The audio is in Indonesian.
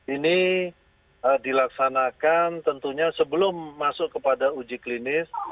ini dilaksanakan tentunya sebelum masuk kepada uji klinis